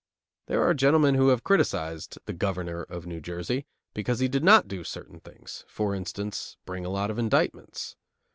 There are gentlemen who have criticised the Governor of New Jersey because he did not do certain things, for instance, bring a lot of indictments.